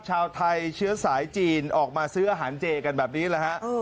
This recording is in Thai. ชาวไทยเชื้อสายจีนออกมาซื้ออาหารเจกันแบบนี้แหละฮะ